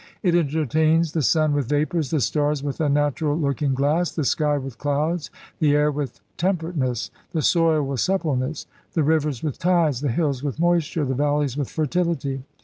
It entertains the Sun with vapors, the Stars with a natural looking glass, the sky with clouds, the air with temperateness, the soil with suppleness, the rivers with tides, the hills with moisture, the valleys with fertility.